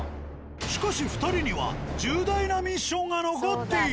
しかし２人には重大なミッションが残っている！